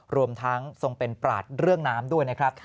รวมทั้งทรงเป็นปราศเรื่องน้ำด้วยนะครับ